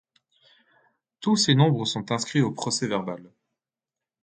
Tous ces nombres sont inscrits au procès-verbal.